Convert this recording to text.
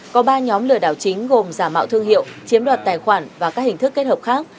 có ba nhóm lừa đảo chính gồm giả mạo thương hiệu chiếm đoạt tài khoản và các hình thức kết hợp khác